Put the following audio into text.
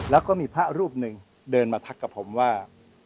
แล้วก็มีพระรูปหนึ่งเดินมาทักกับผมว่า